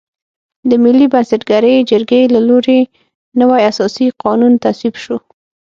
د ملي بنسټګرې جرګې له لوري نوی اساسي قانون تصویب شو.